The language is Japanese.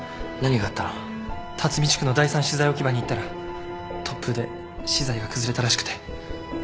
立見地区の第３資材置き場に行ったら突風で資材が崩れたらしくて。